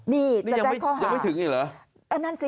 นี่จะแจ้งข้อหายังไม่ถึงอีกเหรอ